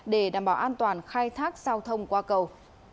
để đảm bảo an toàn khai thác giao thông qua cầu